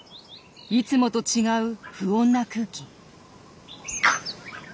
いつもと違う不穏な空気。